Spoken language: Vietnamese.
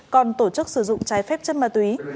còn tổ chức sử dụng trái phép chất ma túy